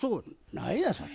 何やそれ。